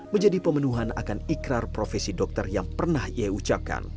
menjadi pemenuhan akan ikrar profesi dokter yang pernah ia ucapkan